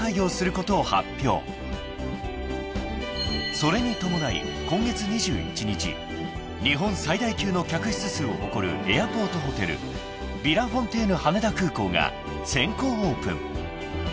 ［それに伴い今月２１日日本最大級の客室数を誇るエアポートホテル「ヴィラフォンテーヌ羽田空港」が先行オープン］